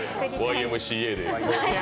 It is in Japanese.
「Ｙ．Ｍ．Ｃ．Ａ」で。